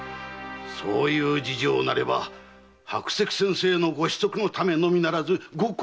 そういう事情なれば白石先生のご子息のためのみならずご公儀のため。